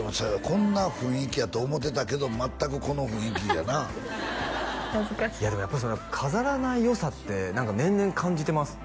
こんな雰囲気やと思ってたけどまったくこの雰囲気やな恥ずかしいいやでもやっぱりその飾らない良さって何か年々感じてます